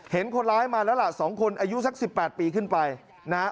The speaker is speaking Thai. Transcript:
เห็นคนร้ายมาแล้วล่ะ๒คนอายุสัก๑๘ปีขึ้นไปนะ